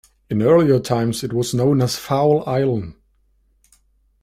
In earlier times it was known as "Fowle Island".